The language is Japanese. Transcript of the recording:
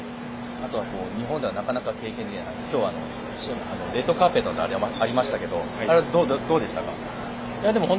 あと、日本ではなかなか経験できない今日はレッドカーペットのあれもありましたがあれはどうでしたか？